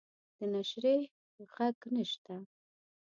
د نشریح ږغ نشته